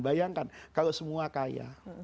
bayangkan kalau semua kaya